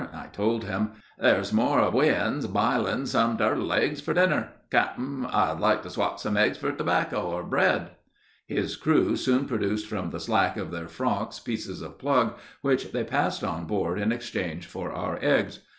I told him, "There's more of we uns b'iling some turtle eggs for dinner. Cap'n, I'd like to swap some eggs for tobacco or bread." His crew soon produced from the slack of their frocks pieces of plug, which they passed on board in exchange for our eggs.